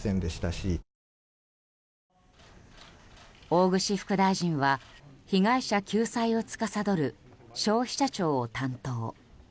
大串副大臣は被害者救済をつかさどる消費者庁を担当。